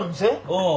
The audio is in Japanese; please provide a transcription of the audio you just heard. ああ。